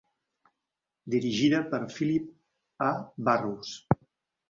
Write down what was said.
Dirigida per Philip A. Burrows.